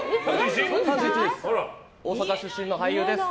大阪出身の俳優です。